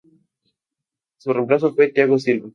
Su reemplazo fue Thiago Silva.